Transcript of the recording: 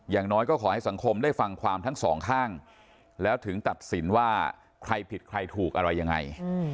อย่างน้อยก็ขอให้สังคมได้ฟังความทั้งสองข้างแล้วถึงตัดสินว่าใครผิดใครถูกอะไรยังไง